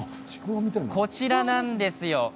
こちらなんですよ。